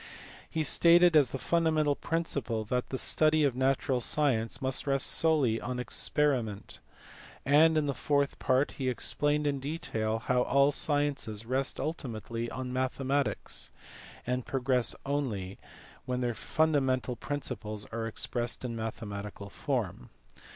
He stated as the fundamental principle that the study of natural science must rest solely on experiment ; and in the fourth part he explained in detail how all sciences rest ultimately on mathematics, and progress only when their fun damental principles are expressed in a mathematical form.